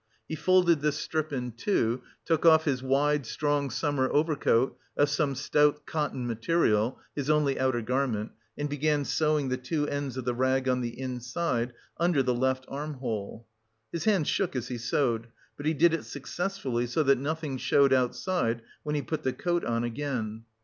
He folded this strip in two, took off his wide, strong summer overcoat of some stout cotton material (his only outer garment) and began sewing the two ends of the rag on the inside, under the left armhole. His hands shook as he sewed, but he did it successfully so that nothing showed outside when he put the coat on again.